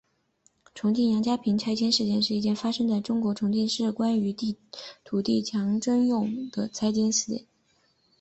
重庆杨家坪拆迁事件是一件发生在中国重庆市关于土地强制征用的拆迁事件。